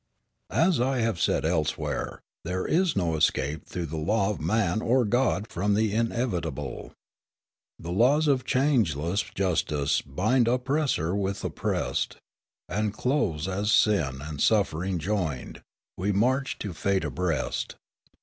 As I have said elsewhere, there is no escape through law of man or God from the inevitable: "The laws of changeless justice bind Oppressor with opprest; And, close as sin and suffering joined, We march to fate abreast."